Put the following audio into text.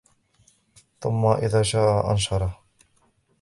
ثم إذا شاء أنشره